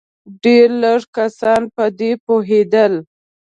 ډېر لږ کسان په دې پوهېدل.